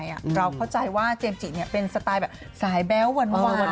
เราเข้าใจว่าเจมส์จิเป็นสไตล์แบบสายแบ๊วหวาน